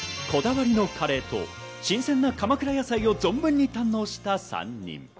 こだわりのカレーと鎌倉野菜を存分に堪能した３人。